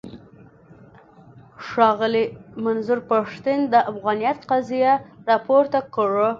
ښاغلي منظور پښتين د افغانيت قضيه راپورته کړه.